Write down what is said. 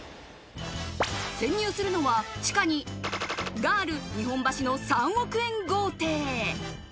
潜入するのは地下にがある日本橋の３億円豪邸。